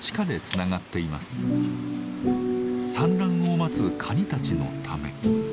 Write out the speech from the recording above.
産卵を待つカニたちのため。